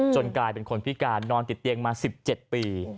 กลายเป็นคนพิการนอนติดเตียงมา๑๗ปี